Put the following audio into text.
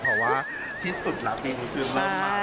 เพราะว่าที่สุดละปีนี้คือมัน